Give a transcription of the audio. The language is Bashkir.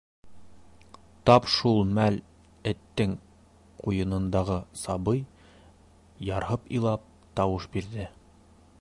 Тап шул мәл эттең ҡуйынындағы сабый, ярһып илап, тауыш бирҙе.